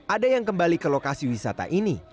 ada yang kembali ke lokasi wisata ini